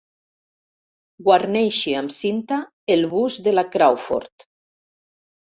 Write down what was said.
Guarneixi amb cinta el bust de la Crawford.